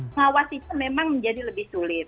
pengawasannya memang menjadi lebih sulit